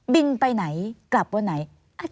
บินไปไหนกลับวันไหน